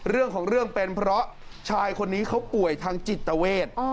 เรื่องของเรื่องเป็นเพราะชายคนนี้เขาป่วยทางจิตเวท